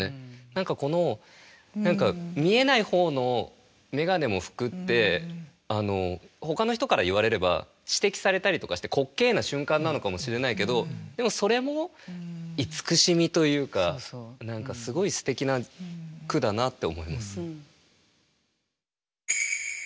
何か見えない方の眼鏡も拭くってほかの人から言われれば指摘されたりとかして滑稽な瞬間なのかもしれないけどでもそれも慈しみというかすごいすてきな句だなと思います。